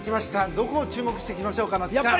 どこを注目していきましょうか松木さん。